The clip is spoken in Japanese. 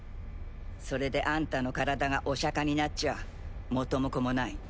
それであんたの体がおしゃかになっちゃ元も子もない。